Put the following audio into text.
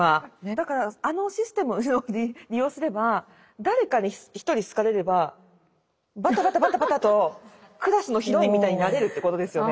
だからあのシステムを利用すれば誰かに一人好かれればバタバタバタバタとクラスのヒロインみたいになれるってことですよね。